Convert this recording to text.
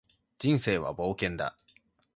人生は冒険だ